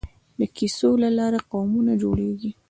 د کیسو له لارې قومونه جوړېږي.